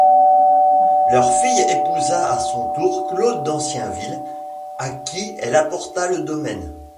Leur fille épousa à son tour Claude d'Ancienville, à qui elle apporta le domaine.